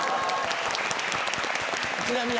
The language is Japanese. ちなみに。